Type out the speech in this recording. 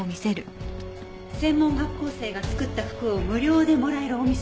「専門学校生が作った服を無料でもらえるお店」